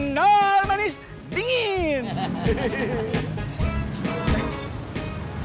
udah kadang beli nih lanjut lanjut